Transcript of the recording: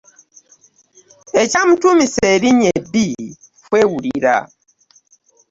Ekyamutuumisa erinnya ebbi kwewulira.